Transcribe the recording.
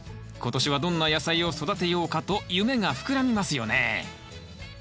今年はどんな野菜を育てようかと夢が膨らみますよね。